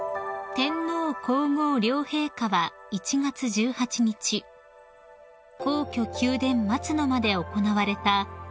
［天皇皇后両陛下は１月１８日皇居宮殿松の間で行われた新春恒例の宮中行事